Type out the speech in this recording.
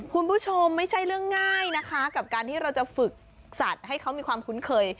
คุณผู้ชมไม่ใช่เรื่องง่ายนะคะกับการที่เราจะฝึกสัตว์ให้เขามีความคุ้นเคย